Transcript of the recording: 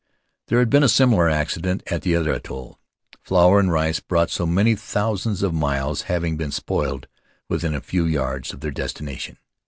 There had been a similar accident at the other atoll — flour and rice brought so many thousands of miles having been spoiled within a few yards of their destination.